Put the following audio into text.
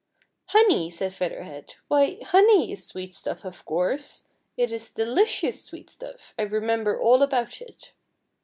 " Honey !" said Feather Head. " Why, honey is sweet stuff of course ; it is delicious sweet stuff; I re member all about it."